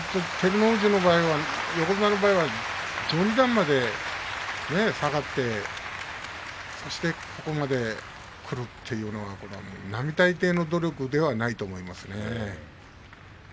横綱の場合は序二段まで下がってそしてここまでくるというのは並大抵の努力ではないと思いますね。